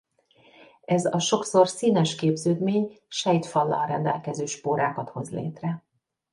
Ez a sokszor színes képződmény sejtfallal rendelkező spórákat hoz létre.